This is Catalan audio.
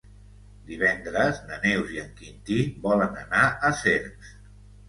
Divendres na Neus i en Quintí volen anar a Cercs.